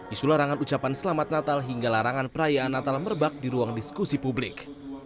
isu larangan ucapan selamat natal hingga larangan perayaan natal merebak di ruang diskusi publik